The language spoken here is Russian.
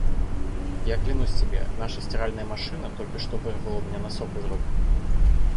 Я клянусь тебе, наша стиральная машина только что вырвала у меня носок из рук!